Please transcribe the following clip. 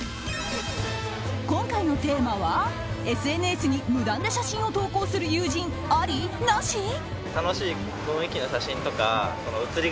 今回のテーマはＳＮＳに無断で写真を投稿する友人、あり？